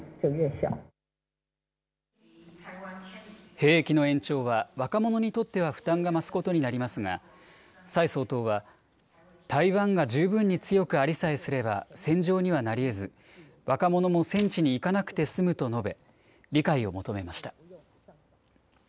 兵役の延長は若者にとっては負担が増すことになりますが蔡総統は台湾が十分に強くありさえすれば戦場にはなりえず若者も戦地に行かなくて済むと述べ、理解を求めました。